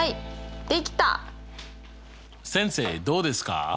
先生どうですか？